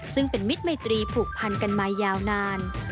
ซึ่งเป็นมิตรไมตรีผูกพันกันมายาวนาน